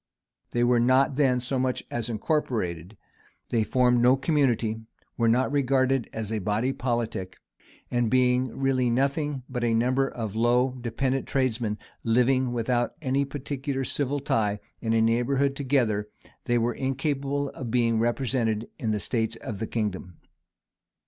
[*] They were not then so much as incorporated; they formed no community; were not regarded as a body politic; and being really nothing but a number of low, dependent tradesmen, living, without any particular civil tie, in neighborhood together, they were incapable of being represented in the states of the kingdom.